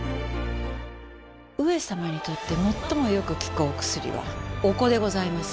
上様にとってもっともよく効くお薬はお子でございます。